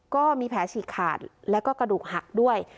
ก็มีแผลฉีกขาดแล้วก็กระดูกหักด้วย